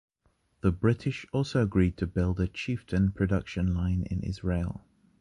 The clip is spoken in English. The British also agreed to build a Chieftain production line in Israel.